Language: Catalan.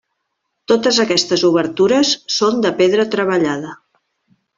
Totes aquestes obertures són de pedra treballada.